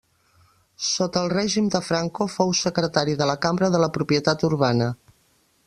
Sota el règim de Franco fou secretari de la Cambra de la Propietat Urbana.